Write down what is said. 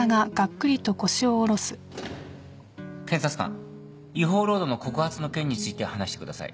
検察官違法労働の告発の件について話してください。